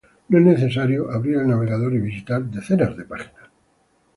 No es necesario abrir el navegador y visitar decenas de páginas.